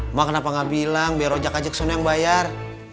emak kenapa gak bilang biar ojek aja kesana yang bayar